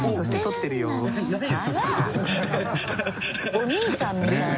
お兄さんみたいな。